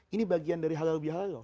ini bagian dari halal bihalal